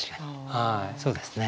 そうですね。